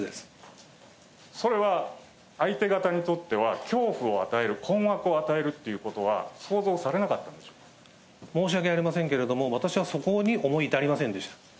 それは、相手方にとっては、恐怖を与える、困惑を与えるっていうことは、想像されなかったん申し訳ありませんけれども、私はそこに思い至りませんでした。